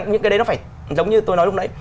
những cái đấy nó phải giống như tôi nói lúc đấy